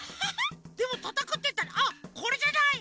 でもたたくっていったらこれじゃない？